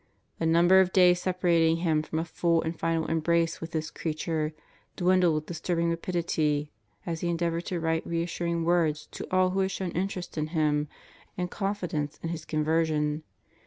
The number of days separating him from a full and final embrace with this creature dwindled with disturbing rapidity as he endeavored to write reassuring words to all who had shown interest in him and confidence in his conversion.